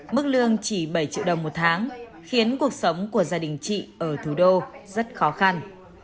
mức lương chỉ bảy triệu đồng một tháng khiến cuộc sống của gia đình chị ở thủ đô rất khó khăn